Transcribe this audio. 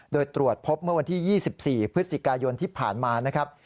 โดยตรวจพบเมื่อวันที่๒๔พฤศจิกายนที่ผ่านมานะครับ